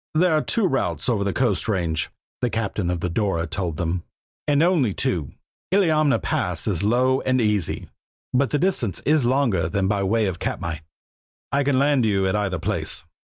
"There are two routes over the coast range," the captain of the Dora told them, "and only two. Illiamna Pass is low and easy, but the distance is longer than by way of Katmai. I can land you at either place."